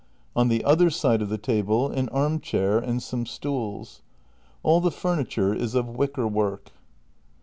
On the other side of the table, an arm chair and some stools. All the furniture is of wicker work.